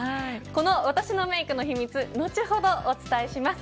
この私のメークの秘密後ほどお伝えします。